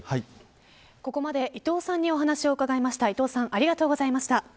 ここまで伊藤さんにお話を伺いました。